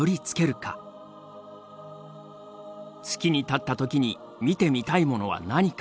月に立った時に見てみたいものは何か。